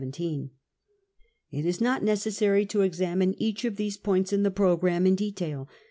It I is not necessary to examine each of these points in the programme in detail.